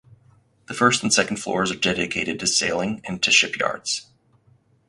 The first and second floors are dedicated to sailing and to shipyards.